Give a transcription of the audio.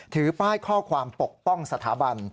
ถือป้ายข้อความปกป้องสถาบัน